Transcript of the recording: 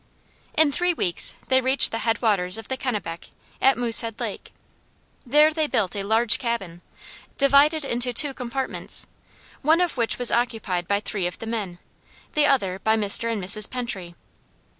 In three weeks they reached the head waters of the Kennebec, at Moosehead Lake. There they built a large cabin, divided into two compartments, one of which was occupied by three of the men, the other by Mr. and Mrs. Pentry.